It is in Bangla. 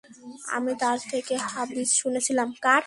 আমি তার থেকে হাদীস শুনেছিলাম।